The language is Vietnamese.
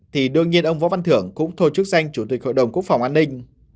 thì đương nhiên ông võ văn thưởng cũng thôi chức danh chủ tịch hội đồng quốc phòng an ninh